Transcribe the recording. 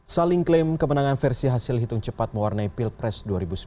saling klaim kemenangan versi hasil hitung cepat mewarnai pilpres dua ribu sembilan belas